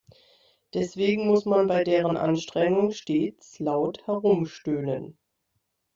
Deswegen muss man bei deren Anstrengung stets laut herumstöhnen.